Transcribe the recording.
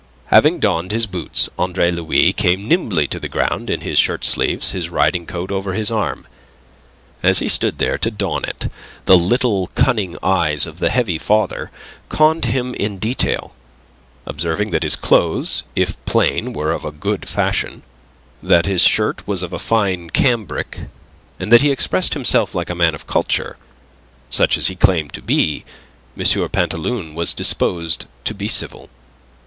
Having donned his boots, Andre Louis came nimbly to the ground in his shirt sleeves, his riding coat over his arm. As he stood there to don it, the little cunning eyes of the heavy father conned him in detail. Observing that his clothes, if plain, were of a good fashion, that his shirt was of fine cambric, and that he expressed himself like a man of culture, such as he claimed to be, M. Pantaloon was disposed to be civil.